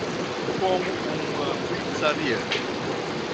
Como uma pizzaria